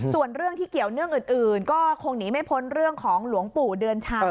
ส่วนเรื่องที่เกี่ยวเนื่องอื่นก็คงหนีไม่พ้นเรื่องของหลวงปู่เดือนชัย